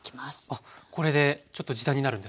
あこれでちょっと時短になるんですか？